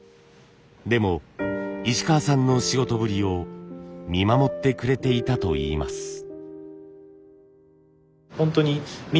でも石川さんの仕事ぶりを見守ってくれていたといいます。